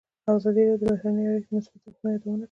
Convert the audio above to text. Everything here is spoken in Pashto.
ازادي راډیو د بهرنۍ اړیکې د مثبتو اړخونو یادونه کړې.